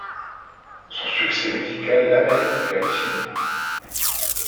Son succès musical l'amène vers le cinéma.